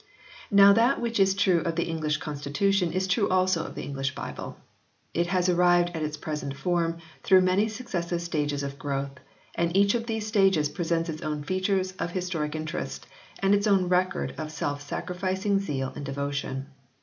Now that which is true of the English constitution is true also of the English Bible. It has arrived at its present form through many successive stages of growth, and each of these stages presents its own features of historic interest, and its own record of self sacrificing zeal and devotion.